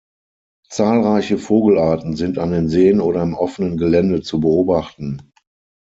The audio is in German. Zahlreiche Vogelarten sind an den Seen oder im offenen Gelände zu beobachten.